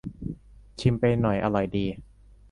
ชิมไปหน่อย อร่อยดี